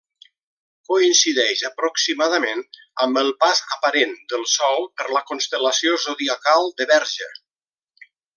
Coincideix aproximadament amb el pas aparent del Sol per la constel·lació zodiacal de Verge.